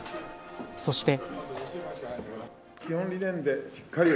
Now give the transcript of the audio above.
そして。